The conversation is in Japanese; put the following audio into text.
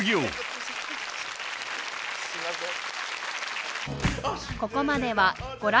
すいません。